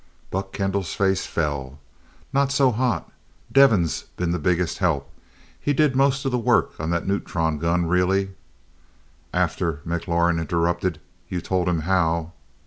Buck Kendall's face fell. "Not so hot. Devin's been the biggest help he did most of the work on that neutron gun really " "After," McLaurin interrupted, "you told him how."